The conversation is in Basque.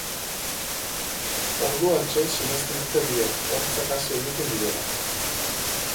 Orduantxe sinesten dute biek hortzak hazi egiten direla.